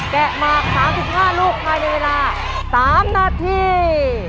ะหมาก๓๕ลูกภายในเวลา๓นาที